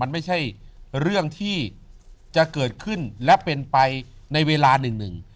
มันไม่ใช่เรื่องที่จะเกิดขึ้นและเป็นไปในเวลาหนึ่งหนึ่ง